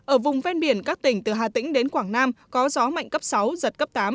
ở vùng ven biển các tỉnh từ hà tĩnh đến quảng nam có gió mạnh cấp sáu giật cấp tám